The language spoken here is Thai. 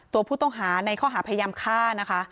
ตัวผู้ต้องหาในข้อหาพยายามฆ่านะคะ